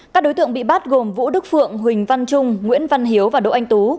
các đối tượng bị bắt gồm vũ đức phượng huỳnh văn trung nguyễn văn hiếu và đỗ anh tú